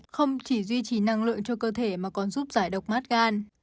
không chỉ duy trì năng lượng cho cơ thể mà còn giúp giải độc mát gan